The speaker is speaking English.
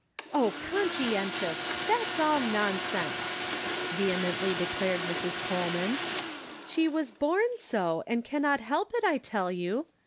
" Oh, conscientious, that's all nonsense !" ve hemently declared Mrs. Coleman. " She was lorn so and cannot help it, I tell you.